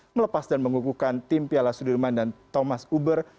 melepas dan mengukuhkan tim piala sudirman dan thomas uber